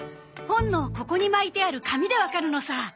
本のここに巻いてある紙でわかるのさ。